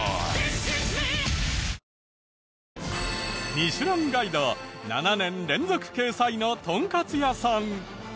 『ミシュランガイド』７年連続掲載のトンカツ屋さん。